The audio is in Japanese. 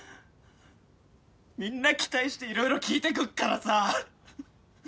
みんな期待して色々聞いてくっからさ。